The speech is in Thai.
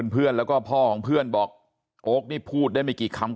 เพื่อนแล้วก็พ่อของเพื่อนบอกโอ๊คนี่พูดได้ไม่กี่คำ